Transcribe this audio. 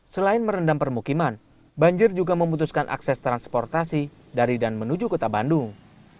selain merendam permukiman banjir juga memutuskan akses transportasi dari dan menuju kota bandung